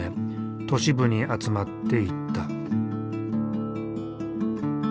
都市部に集まっていった。